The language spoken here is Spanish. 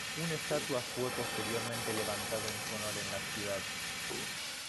Una estatua fue posteriormente levantada en su honor en la ciudad.